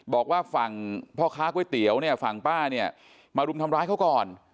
บอกว่าฝั่งพ่อค้าก๋วยเตี๋ยวเนี่ยฝั่งป้าเนี่ยมารุมทำร้ายเขาก่อน